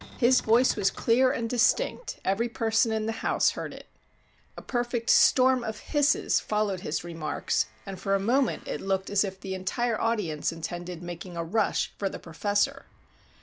His voice was clear and distinct, every person in the house heard it. A perfect storm of hisses followed his remarks, and for a moment it looked as if the entire audience intended making a rush for the professor.